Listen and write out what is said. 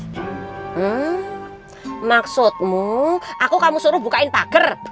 hmm maksudmu aku kamu suruh bukain pagar